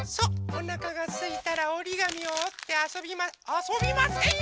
おなかがすいたらおりがみをおってあそびまあそびませんよ！